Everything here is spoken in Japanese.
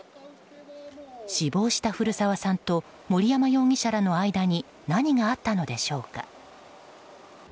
死亡した古澤さんと森山容疑者らの間に何があったのでしょうか。